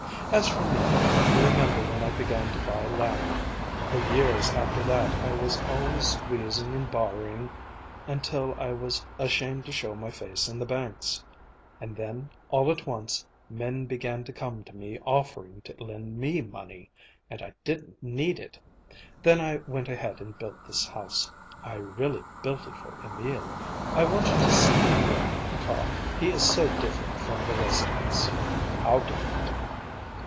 As for me, you remember when I began to buy land. For years after that I was always squeezing and borrowing until I was ashamed to show my face in the banks. And then, all at once, men began to come to me offering to lend me money—and I didn't need it! Then I went ahead and built this house. I really built it for Emil. I want you to see Emil, Carl. He is so different from the rest of us!" "How different?"